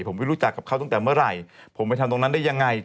ผมไม่รู้จักกับเขาตั้งแต่เมื่อไหร่ผมไปทำตรงนั้นได้ยังไง